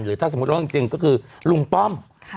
ถ้าสมมุติว่าจริงก็คือลุงป้อม